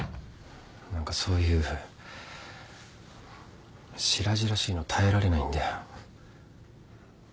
何かそういうしらじらしいの耐えられないんだよ。